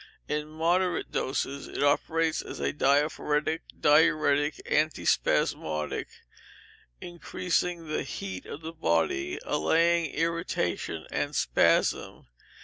In moderate doses it operates as a diaphoretic, diuretic, antispasmodic, increasing the heat of the body, allaying irritation and spasm.